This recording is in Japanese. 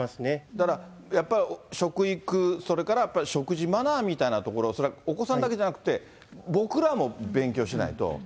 だからやっぱり食育、それからやっぱり食事マナーみたいなところ、それはお子さんだけじゃなくて、僕らも勉強しないと。